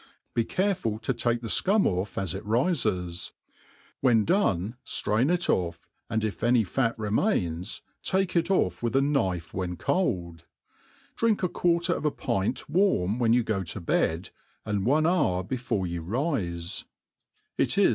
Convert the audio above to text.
Be careful to take the icum ofFas it rifes ; when done ftrain it oiF, and if any fat remains, take It ofF with 'a knife when cold ; drink a quarter of a pint warni whea you go to bed, and one hour before you rife j it is 3 \.